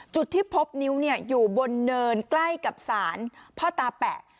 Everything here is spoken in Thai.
จุดที่พบนิ้วเนี่ยอยู่บนเนินใกล้กับสารภรรตาแปะ